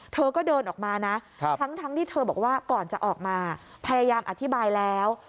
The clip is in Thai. เธอก็เดินออกมานะทั้งที่เธอบอกว่าก่อนจะออกมาพยายามอธิบายแล้ว